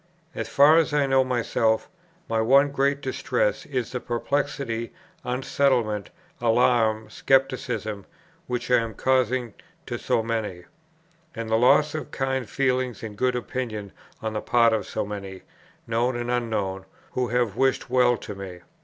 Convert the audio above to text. As far as I know myself, my one great distress is the perplexity, unsettlement, alarm, scepticism, which I am causing to so many; and the loss of kind feeling and good opinion on the part of so many, known and unknown, who have wished well to me.